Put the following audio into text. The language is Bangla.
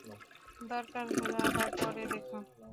দরকার হলে আবার পড়ে দেখুন।